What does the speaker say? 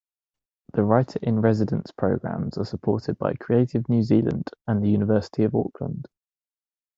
The writer-in-residence programmes are supported by Creative New Zealand and the University of Auckland.